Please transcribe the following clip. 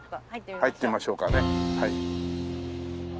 入ってみましょうかね。